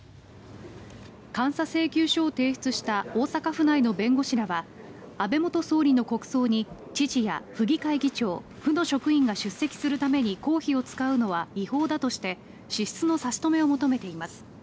監査請求書を提出した大阪府内の弁護士らは安倍元総理の国葬に知事や府議会議長、府の職員が出席するために公費を使うのは違法だとして支出の差し止めを求めています。